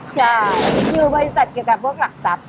ใช่คือบริษัทเกี่ยวกับพวกหลักทรัพย